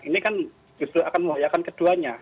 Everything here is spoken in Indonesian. ini kan justru akan membahayakan keduanya